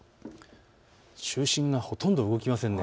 中心がほとんど動きません。